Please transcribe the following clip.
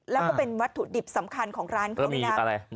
แล้วก็เป็นวัตถุดิบสำคัญของร้านเขาด้วยนะ